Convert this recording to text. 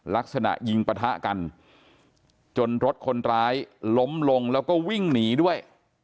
ลักษณะยิงปะทะกันจนรถคนร้ายล้มลงแล้วก็วิ่งหนีด้วย